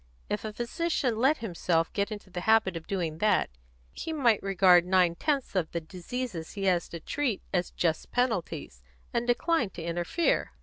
If a physician let himself get into the habit of doing that, he might regard nine tenths of the diseases he has to treat as just penalties, and decline to interfere."